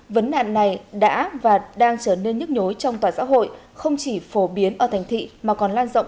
vấn nạn này đã và đang trở nên nhức nhối trong tòa xã hội không chỉ phổ biến ở thành thị mà còn lan rộng